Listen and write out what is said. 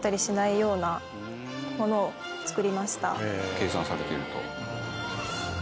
計算されていると。